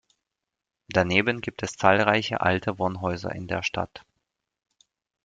Daneben gibt es zahlreiche alte Wohnhäuser in der Stadt.